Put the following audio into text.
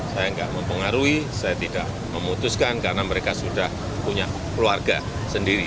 saya tidak mempengaruhi saya tidak memutuskan karena mereka sudah punya keluarga sendiri